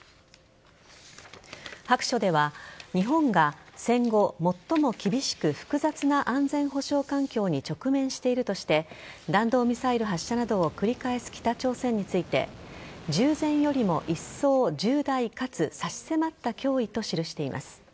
白書では日本が戦後、最も厳しく複雑な安全保障環境に直面しているとして弾道ミサイル発射などを繰り返す北朝鮮について従前よりもいっそう重大かつ差し迫った脅威と記しています。